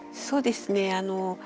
そうですねあの。